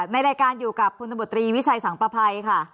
ในรายการอยู่กับพลตำรวจตรีวิชัยสังประภัยค่ะ